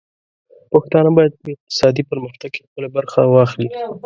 پښتانه بايد په اقتصادي پرمختګ کې خپله برخه واخلي.